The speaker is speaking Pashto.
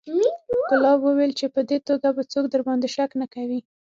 ګلاب وويل چې په دې توګه به څوک درباندې شک نه کوي.